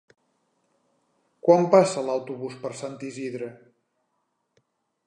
Quan passa l'autobús per Sant Isidre?